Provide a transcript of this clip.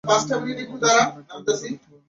অথচ সামান্য একটা ঘোড়াকে ধরতে পারো না।